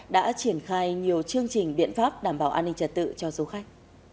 đã triển khai nhiều chương trình biện pháp đảm bảo an ninh trật tự cho du khách